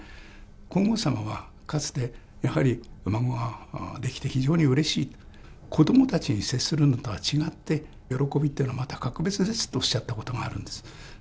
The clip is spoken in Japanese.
皇后さまはかつて、やはり孫ができて、非常にうれしいと、子どもたちに接するのとは違って、喜びってのはまた格別ですとおっしゃったことがあるんです。